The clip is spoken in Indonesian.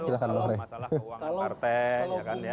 masalah keuangan kartel